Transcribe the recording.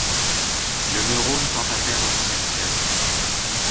Le neurone tend à perdre son excitation.